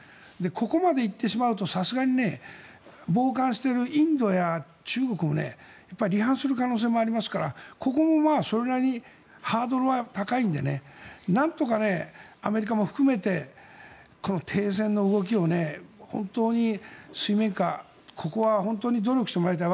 ここまで行ってしまうとさすがに傍観しているインドや中国も離反する可能性もありますからここもそれなりにハードルは高いのでなんとかアメリカも含めて停戦の動きを本当に水面下、ここは本当に努力してもらいたい。